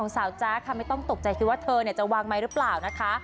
สาวจ๊ะค่ะไม่ต้องตกใจคิดว่าเธอจะวางไมค์หรือเปล่านะคะ